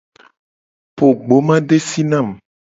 Po gbomadesi na mu.